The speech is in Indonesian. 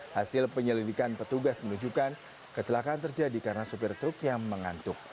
hasil penyelidikan petugas menunjukkan kecelakaan terjadi karena sopir truk yang mengantuk